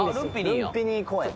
ルンピニ公園